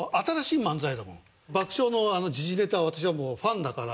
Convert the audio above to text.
爆笑のあの時事ネタは私はもうファンだから。